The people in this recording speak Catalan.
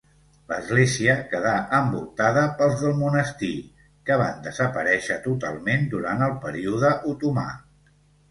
L'església quedà envoltada pels del monestir, que van desaparèixer totalment durant el període otomà.